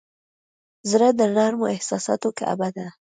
زړه د نرمو احساساتو کعبه ده.